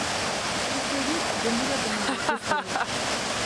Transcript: Uste dut gonbidapena lortu zuela.